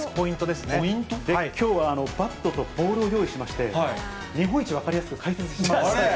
きょうはバットとボールを用意しまして、日本一分かりやすく解説しますので。